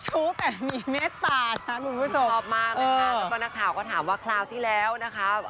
ชอบมากนะคะแล้วก็นักหน้าข่าวก็ถามว่าคราวที่แล้วนะคะ